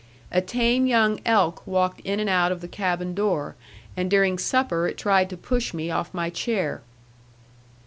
A tame young elk walked in and out of the cabin door, and during supper it tried to push me off my chair.